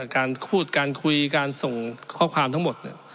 การพูดการคุยการส่งข้อความทั้งหมด